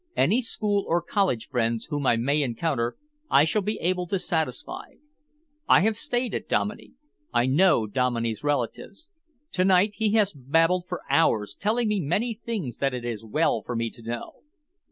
Any school or college friends whom I may encounter I shall be able to satisfy. I have stayed at Dominey. I know Dominey's relatives. To night he has babbled for hours, telling me many things that it is well for me to know."